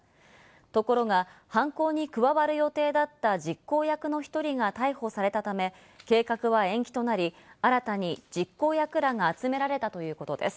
ところが、犯行に加わる予定だった実行役の１人が逮捕されたため、計画は延期となり、新たに実行役らが集められたということです。